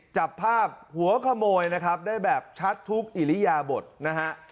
จับภาพหัวขโมยนะครับได้แบบชัดทุกอิริยาบทนะฮะ